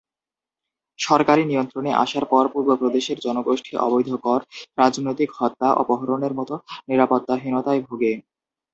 সরকারি নিয়ন্ত্রণে আসার পর পূর্ব প্রদেশের জনগোষ্ঠী অবৈধ কর, রাজনৈতিক হত্যা, অপহরণের মতো নিরাপত্তাহীনতায় ভোগে।